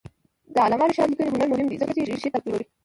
د علامه رشاد لیکنی هنر مهم دی ځکه چې ریښې تعقیبوي.